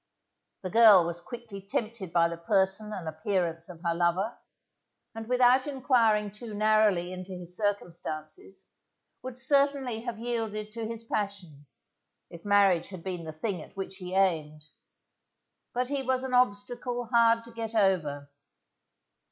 The girl was quickly tempted by the person and appearance of her lover, and without enquiring too narrowly into his circumstances, would certainly have yielded to his passion, if marriage had been the thing at which he aimed; but he was an obstacle hard to get over.